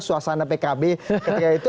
suasana pkb ketika itu